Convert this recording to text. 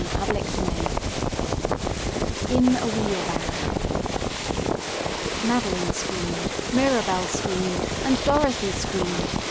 CHAPTER VIII IN A WHEELBARROW Madeline screamed, Mirabell screamed, and Dorothy screamed.